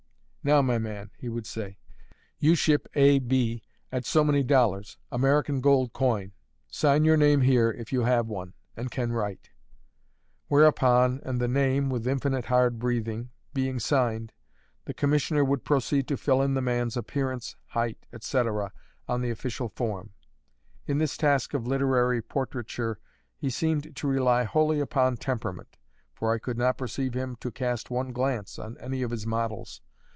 "Now, my man," he would say, "you ship A. B. at so many dollars, American gold coin. Sign your name here, if you have one, and can write." Whereupon, and the name (with infinite hard breathing) being signed, the commissioner would proceed to fill in the man's appearance, height, etc., on the official form. In this task of literary portraiture he seemed to rely wholly upon temperament; for I could not perceive him to cast one glance on any of his models.